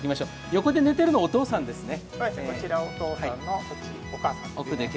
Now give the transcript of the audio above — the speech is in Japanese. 横で寝ているのはお父さんですね。